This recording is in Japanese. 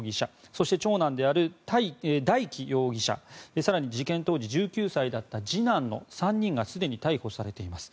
そして、長男である大祈容疑者更に事件当時１９歳だった次男の３人がすでに逮捕されています。